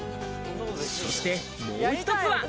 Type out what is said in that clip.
そしてもう１つは。